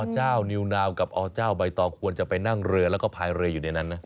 นิวนาวกับอเจ้าใบตองควรจะไปนั่งเรือแล้วก็พายเรืออยู่ในนั้นนะ